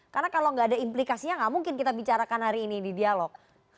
karena kalau gak ada implikasinya gak mungkin kita bicarakan hari ini di dialog